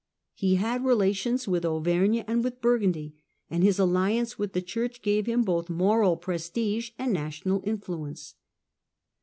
He had relations with Auvergne and with Burgundy, and his alliance with the Church gave him both moral prestige and national influence.